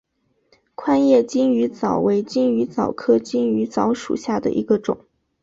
宽叶金鱼藻为金鱼藻科金鱼藻属下的一个种。